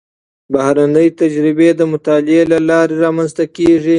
بهرنۍ تجربې د مطالعې له لارې رامنځته کېږي.